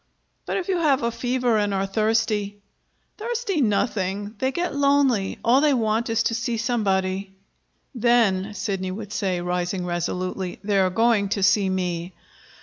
"But if you have a fever and are thirsty " "Thirsty nothing! They get lonely. All they want is to see somebody." "Then," Sidney would say, rising resolutely, "they are going to see me."